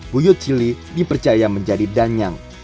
buyut cili dipercaya menjadi danyang